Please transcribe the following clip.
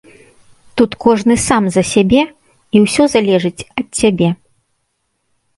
Тут кожны сам за сябе, і ўсё залежыць ад цябе.